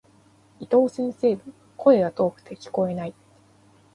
伊藤先生の、声が遠くて聞こえない。